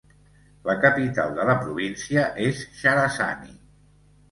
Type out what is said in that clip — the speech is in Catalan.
La capital de la província és Charazani.